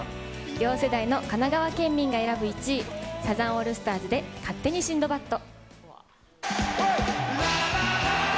両世代の神奈川県民が選ぶ１位、サザンオールスターズで勝手にシンドバッド。